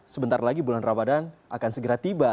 sebentar lagi bulan ramadan akan segera tiba